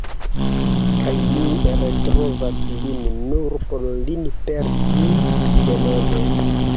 Kaj ni retrovas lin nur por lin perdi denove.